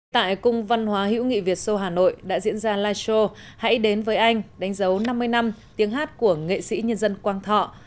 tại cung văn hóa hữu nghị việt sô hà nội đã diễn ra live show hãy đến với anh đánh dấu năm mươi năm tiếng hát của nghệ sĩ nhân dân quang thọ